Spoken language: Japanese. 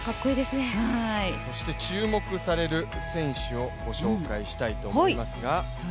注目される選手をご紹介したいと思います。